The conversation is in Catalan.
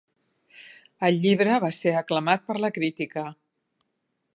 El llibre va ser aclamat per la crítica.